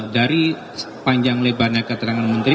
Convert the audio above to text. dari sepanjang lebarnya keterangan menteri